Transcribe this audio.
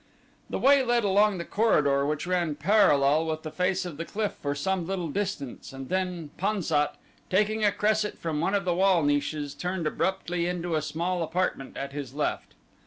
The way led along the corridor which ran parallel with the face of the cliff for some little distance and then Pan sat, taking a cresset from one of the wall niches, turned abruptly into a small apartment at his left.